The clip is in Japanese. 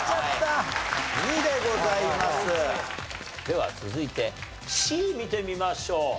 では続いてＣ見てみましょう。